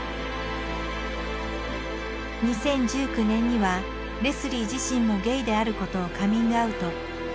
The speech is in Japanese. ２０１９年にはレスリー自身もゲイであることをカミングアウト。